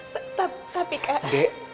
tetap tapi kak